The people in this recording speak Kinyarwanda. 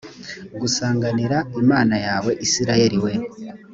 gusanganira imana yawe isirayeli we